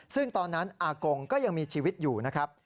ซึ่งตอนนั้นอากงก็ยังมีชีวิตอยู่นะครับ